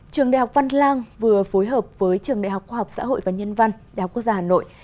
trường đại học văn lang vừa phối hợp với trường đại học khoa học xã hội và nhân văn đại học quốc gia hà nội